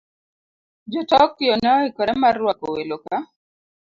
Jo - Tokyo ne oikore mar rwako welo ka